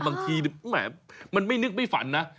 บางทีแหมมันไม่นึกไม่ฝันนะ